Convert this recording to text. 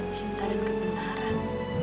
cinta dan kebenaran